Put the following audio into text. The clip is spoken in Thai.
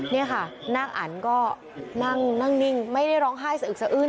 นี่ค่ะนางอันก็นั่งนิ่งไม่ได้ร้องไห้สะอึกสะอื้น